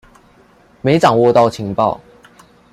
沒掌握到情報